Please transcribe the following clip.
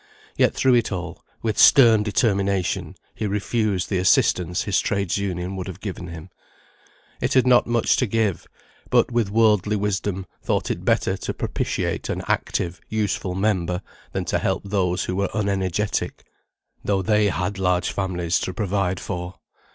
Yet through it all, with stern determination he refused the assistance his Trades' Union would have given him. It had not much to give, but with worldly wisdom, thought it better to propitiate an active, useful member, than to help those who were unenergetic, though they had large families to provide for.